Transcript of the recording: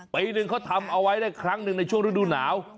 ปีหนึ่งเขาทำเอาไว้ได้ครั้งหนึ่งในช่วงฤดูหนาว